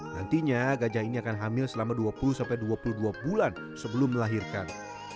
nantinya gajah ini akan hamil selama dua puluh dua puluh dua bulan sebelum melahirkan